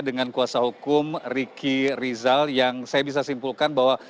dengan kuasa hukum riki rizal yang saya bisa simpulkan bahwa